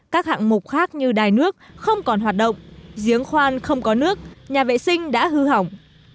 các hạng mục khác như đài nước không còn hoạt động giếng khoan không có nước nhà vệ sinh đã hư hỏng